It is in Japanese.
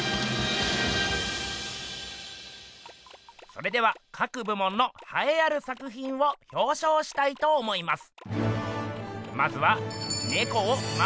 それでは各部門のはえある作品をひょうしょうしたいと思います。